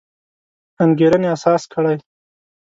انګېرنې اساس کړی.